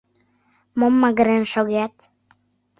Мом магырен шогет?